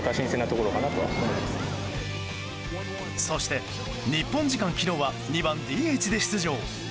そして日本時間昨日は２番ＤＨで出場。